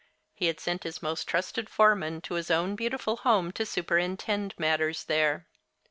He had sent his most trusted foreman to his own beautiful home, to superintend matters there.